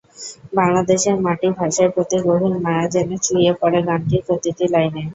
বাংলাদেশের মাটি, ভাষার প্রতি গভীর মায়া যেন চুইয়ে পড়ে গানটির প্রতিটি লাইনে।